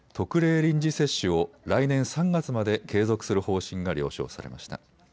臨時接種を来年３月まで継続する方針が了承されました。